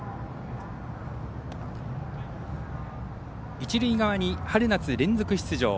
一塁側に春夏連続出場